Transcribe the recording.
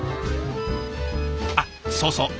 あっそうそう。